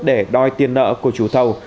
để đòi tiền nợ của chú thầu